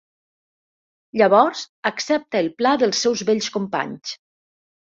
Llavors, accepta el pla dels seus vells companys.